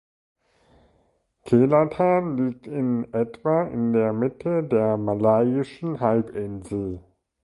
Kelantan liegt in etwa in der Mitte der Malaiischen Halbinsel.